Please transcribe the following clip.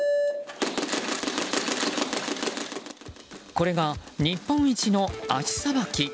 これが日本一の足さばき。